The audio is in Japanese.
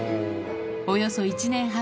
およそ１年半